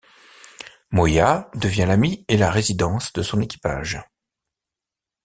Moya devient l'amie et la résidence de son équipage.